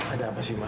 ada apa sih ma